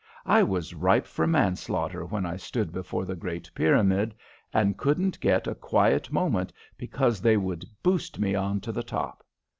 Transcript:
I was ripe for manslaughter when I stood before the Great Pyramid, and couldn't get a quiet moment because they would boost me on to the top.